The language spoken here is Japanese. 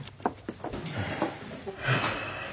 はあ。